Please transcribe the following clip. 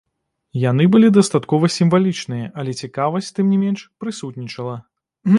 Яны былі дастаткова сімвалічныя, але цікавасць, тым не менш, прысутнічала.